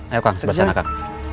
ayo kang sebesar anak anak